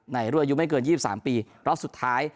ในรวมอายุไม่เกินยี่สิบสามปีรอสสุดท้าย